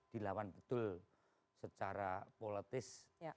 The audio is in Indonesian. dilawan betul secara politis